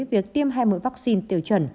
việc tiêm hai mươi vaccine tiêu chuẩn